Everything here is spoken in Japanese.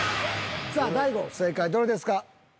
さあ大悟正解どれですか？